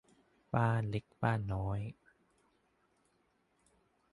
บ้านเล็กบ้านน้อย